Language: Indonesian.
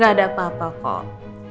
gak ada apa apa kok